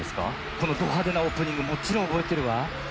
このドはでなオープニングもちろんおぼえてるわ。